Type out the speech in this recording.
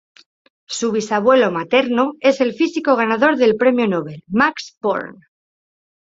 Su bisabuelo materno es el físico ganador el Premio Nobel, Max Born.